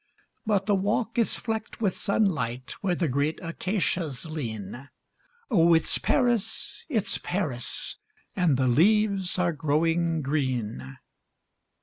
But the walk is flecked with sunlight Where the great acacias lean, Oh it's Paris, it's Paris, And the leaves are growing green.